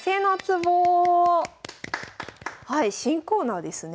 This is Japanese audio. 新コーナーですね。